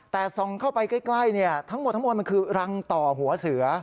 แต่ส่งเข้าไปใกล้ทั้งหมดมารังต่อหัวเสือ